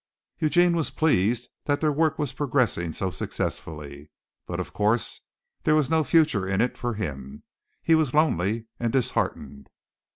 Eugene was pleased that their work was progressing so successfully, but of course there was no future in it for him. He was lonely and disheartened.